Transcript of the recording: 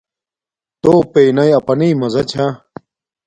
تݸ پئنݳئی اَپَنݵئ مزہ چھݳ.